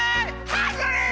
ハングリー！